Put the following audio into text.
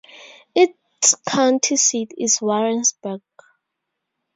Its county seat is Warrensburg.